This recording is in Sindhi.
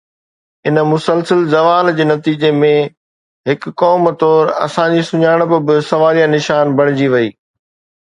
ان مسلسل زوال جي نتيجي ۾ هڪ قوم طور اسان جي سڃاڻپ به سواليا نشان بڻجي وئي